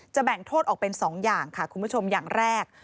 แบ่งโทษออกเป็น๒อย่างค่ะคุณผู้ชมอย่างแรก